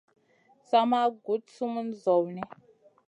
Sa ma guɗ sumun zawni.